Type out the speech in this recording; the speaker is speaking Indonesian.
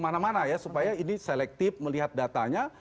mana mana ya supaya ini selektif melihat datanya